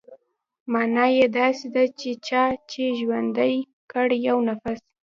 مانا يې داسې ده چې چا چې ژوندى کړ يو نفس.